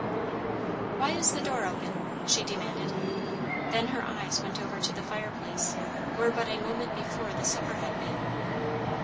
"Why is the door open?" she demanded. Then her eyes went over to the fireplace, where but a moment before the supper had been.